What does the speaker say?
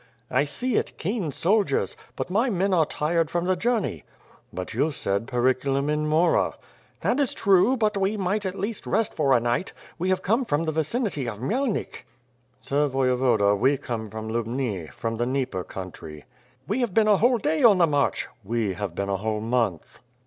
"I see it; keen soldiers. But my men are tired from the journey/^ 336 ^^'^^ ^^RE ^^^ SWORD, "But you said, Tericulum in mora!^ " "That is true; but we might at least rest for a night. We have come from the vicinity of Khymelnik." "Sir Voyevoda, we eomie from Lubni, from the Dnieper country." "We have been a whole day on the march." "We have been a whole month."